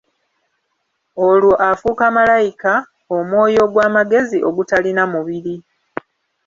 Olwo afuuka Malayika, omwoyo ogw'amagezi ogutalina mubiri.